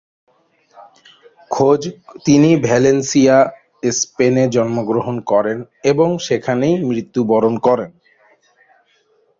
তিনি ভ্যালেন্সিয়া, স্পেনে জন্মগ্রহণ করেন এবং সেখানেই মৃত্যুবরণ করেন।